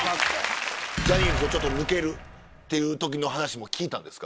ジャニーズを抜けるっていう時の話も聞いたんですか？